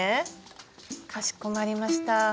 かしこまりました。